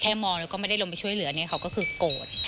มองแล้วก็ไม่ได้ลงไปช่วยเหลือเนี่ยเขาก็คือโกรธ